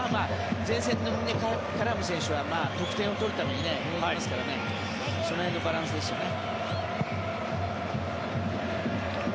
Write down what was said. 前線で絡む選手は得点を取るためにいますからその辺のバランスですよね。